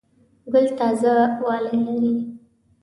ګل تازه والی لري.